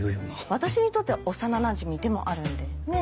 私にとっては幼なじみでもあるんで。ねぇ？